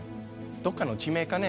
どっかの地名かね